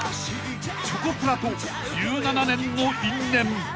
［チョコプラと１７年の因縁］